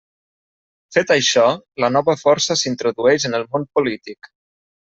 Fet això, la nova força s'introdueix en el món polític.